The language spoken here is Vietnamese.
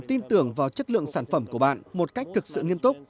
tin tưởng vào chất lượng sản phẩm của bạn một cách thực sự nghiêm túc